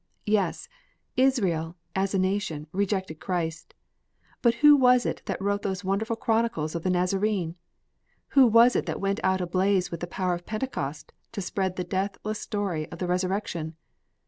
"Yes, Israel, as a nation, rejected Christ; but who was it that wrote those wonderful chronicles of the Nazarene? Who was it that went out ablaze with the power of Pentecost to spread the deathless story of the resurrection?